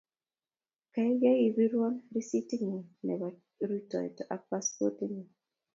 kaikai iborwo risititng'ung nebo rutoito ak paspotitng'ung